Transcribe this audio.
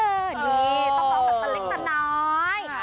นี่ต้องร้องแบบตะเล็กตะน้อย